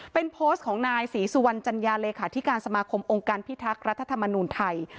เป็นโพสต์ของนายศรีสุวรรณจัญญาเลขาธิการสมาคมองค์การพิทักษ์รัฐธรรมนูญไทย